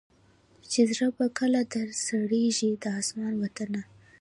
چي زړه به کله در سړیږی د اسمان وطنه